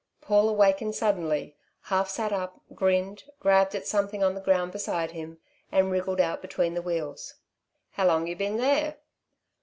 Paul awakened suddenly, half sat up, grinned, grabbed at something on the ground beside him and wriggled out between the wheels. "How long you been there?"